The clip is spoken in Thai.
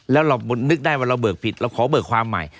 แล้วเรานึกได้ว่าเราเบิกผิดเราขอเบิกความใหม่